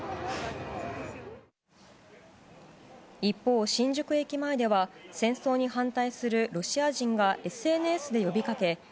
一方、新宿駅前では戦争に反対するロシア人がＳＮＳで呼びかけ